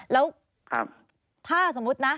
แล้วถ้าสมมุตินะ